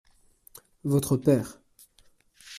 Votre père.